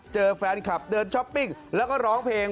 เจอแฟนคลับเดินช้อปปิ้งแล้วก็ร้องเพลง